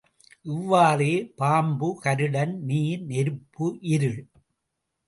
இவ்வாறே பாம்பு, கருடன், நீர், நெருப்பு, இருள்.